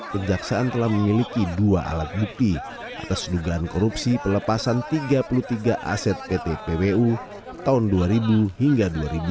kejaksaan telah memiliki dua alat bukti atas dugaan korupsi pelepasan tiga puluh tiga aset pt pwu tahun dua ribu hingga dua ribu dua